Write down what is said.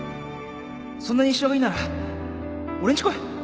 そんなに一緒がいいなら俺んち来い